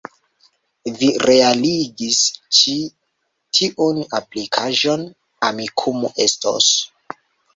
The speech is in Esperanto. Vi realigis ĉi tiun aplikaĵon. Amikumu estos